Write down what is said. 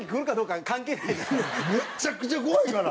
めちゃくちゃ怖いから！